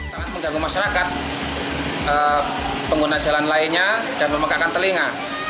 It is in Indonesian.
sangat mengganggu masyarakat pengguna jalan lainnya dan memegakkan telinga